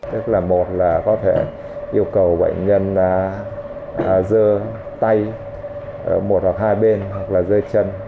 tức là một là có thể yêu cầu bệnh nhân dơ tay một hoặc hai bên hoặc là dơi chân